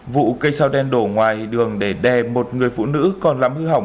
vụ cây sao đen đổ ngoài đường để đè một người phụ nữ còn làm hư hỏng